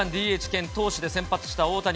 ＤＨ兼投手で先発した大谷。